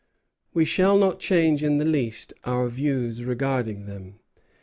We shall not change in the least our views regarding them.